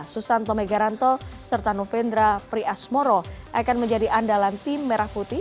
susanto megaranto serta novendra priasmoro akan menjadi andalan tim merah putih